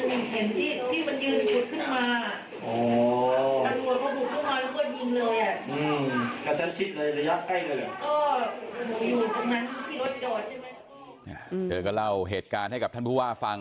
ก็อยู่ตรงนั้นที่ที่รถจอดใช่ไหมอืมเธอก็เล่าเหตุการณ์ให้กับท่านพิวว่าฟัง